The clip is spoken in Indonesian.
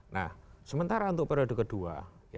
nah sementara untuk periode kedua